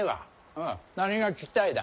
うん何が聞きたいだ？